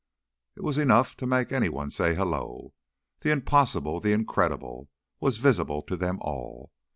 It was enough to make anyone say "Hullo!" The impossible, the incredible, was visible to them all.